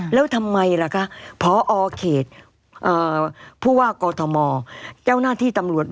แล้วทำไมล่ะคะพอเขตผู้ว่ากอทมเจ้าหน้าที่ตำรวจ